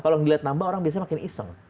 kalau dilihat nambah orang biasanya makin iseng